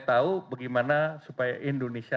tahu bagaimana supaya indonesia